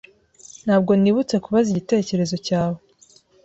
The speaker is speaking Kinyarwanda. Ntabwo nibutse kubaza igitekerezo cyawe.